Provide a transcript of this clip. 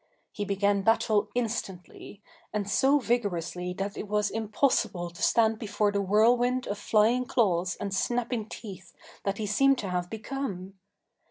He began battle instantly, and so vigourously that it was impossible to stand before the whirlwind of flying claws and snapping teeth that he seemed to have become.